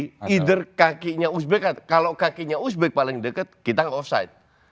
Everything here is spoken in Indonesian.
di either kakinya uzbek kalau kakinya uzbek paling dekat kita offside